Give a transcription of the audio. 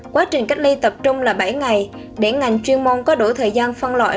quá trình cách ly tập trung là bảy ngày để ngành chuyên môn có đủ thời gian phân loại